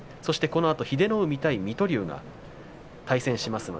このあと英乃海と水戸龍が対戦します。